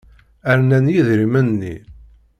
Rnan yidrimen-nni.